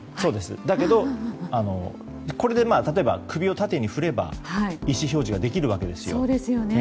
これで首を縦に振れば意思表示ができるわけです。